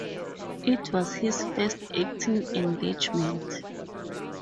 It was his first acting engagement.